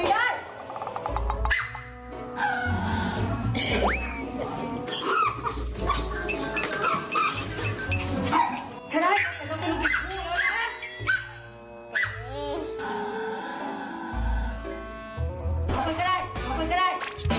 เอากันก็ได้เอากันก็ได้